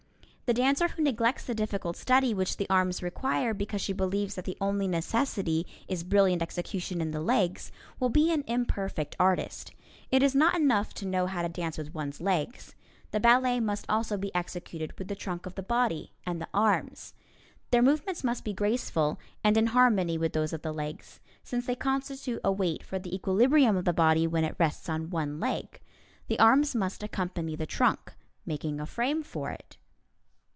The dancer who neglects the difficult study which the arms require because she believes that the only necessity is brilliant execution in the legs, will be an imperfect artist. It is not enough to know how to dance with one's legs; the ballet must also be executed with the trunk of the body and the arms. Their movements must be graceful and in harmony with those of the legs, since they constitute a weight for the equilibrium of the body when it rests on one leg. The arms must accompany the trunk, making a frame for it.